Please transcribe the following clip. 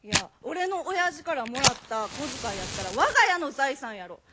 「俺のおやじからもらった小遣いやったら我が家の財産やろ。